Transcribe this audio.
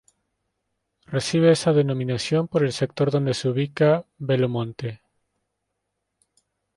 Recibe esa denominación por el sector donde se ubica Bello Monte.